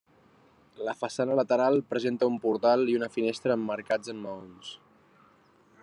La façana lateral presenta un portal i una finestra emmarcats en maons.